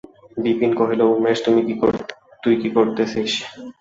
বিপিন কহিল, উমেশ, তুই কী করিতেছিস?